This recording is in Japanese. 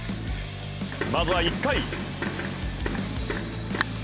まずは１回。